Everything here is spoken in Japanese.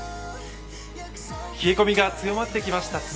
冷え込みが強まってきました